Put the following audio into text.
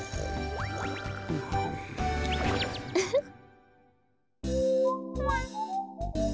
ウフッ。